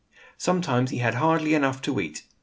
Sometimes he had hardly enough to eat.